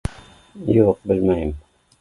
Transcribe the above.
Юҡ белмәйем